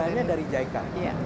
sumber dananya dari jica